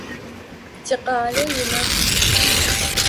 Тикъалэ инэп.